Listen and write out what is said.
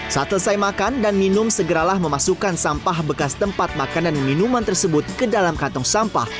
saat selesai makan dan minum segeralah memasukkan sampah bekas tempat makanan dan minuman tersebut ke dalam kantong sampah